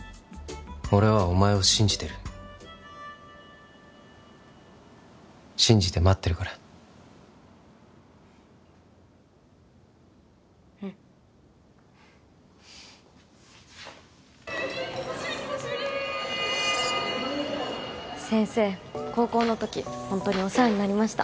俺はお前を信じてる信じて待ってるからうん・久しぶり先生高校の時ホントにお世話になりました